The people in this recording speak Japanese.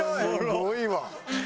すごいわ。